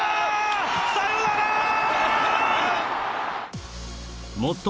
サヨナラー！